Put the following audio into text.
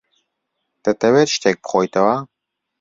دەتەوێت شتێک بخۆیتەوە؟